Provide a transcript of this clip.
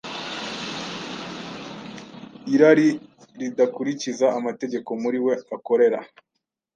irari ridakurikiza amategeko muri we, akorera